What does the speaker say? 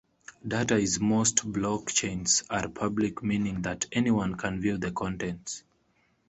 Data in most blockchains are public meaning that anyone can view the contents.